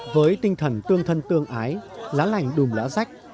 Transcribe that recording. với tinh thần tương thân tương ái lá lành đùm lá rách